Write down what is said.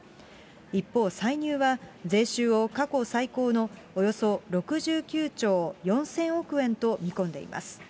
一方、歳入は税収を過去最高のおよそ６９兆４０００億円と見込んでいます。